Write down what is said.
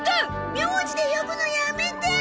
名字で呼ぶのやめてー！